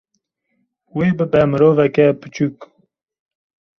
wê bibe miroveke piçûk